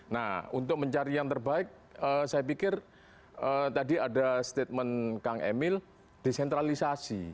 nah untuk mencari yang terbaik saya pikir tadi ada statement kang emil desentralisasi